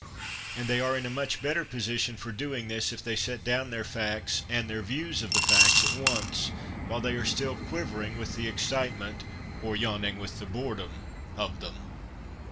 And they are in a much better position for doing this if they set down their facts and their views of the facts at once, while they are still quivering with the excite ment (or yawning with the boredom) of them.